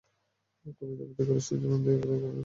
কবিতা আবৃত্তি করেন সুজল নন্দী এবং একক অভিনয় করেন তন্ময় ইসলাম।